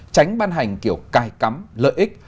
tránh văn hành kiểu cai cắm lợi ích